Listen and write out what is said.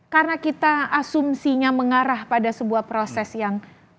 karena kita asumsinya mengarah pada sebuah proses yang